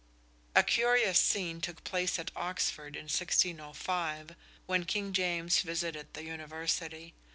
A curious scene took place at Oxford in 1605 when King James visited the University.